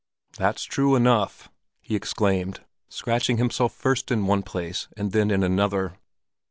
"That's true enough!" he exclaimed, scratching himself first in one place and then in another.